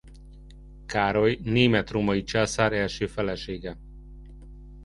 Károly német-római császár első felesége.